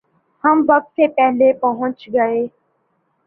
ہم وقت سے پہلے پہنچیں گے